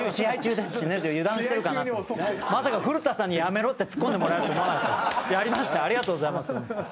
でも、古田さんにやめろってツッコんでもらえるとは思わなかったです。